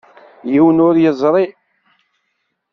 Yiwen ur yeẓri.